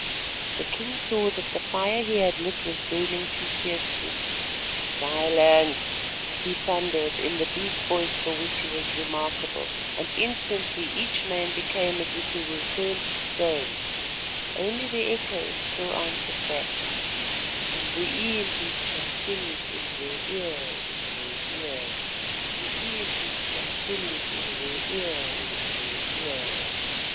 The king saw that the fire he had lit was burning too fiercely. "Silence," he thundered in the deep voice for which he was remarkable, and instantly each man became as if he were turned to stone, only the echoes still answered back: "And the impis shall sing it in their ears—in their ears."